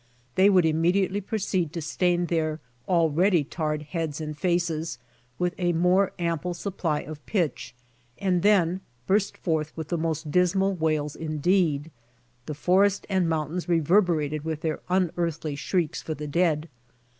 They would im mediately proceed to stain their already tarred heads and faces with a more ample supply of pitch, and then burst forth into the most dismal wails indeed. The forest and mountains reverberated with their unearthly shrieks for the dead.